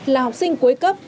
là học sinh cuối cấp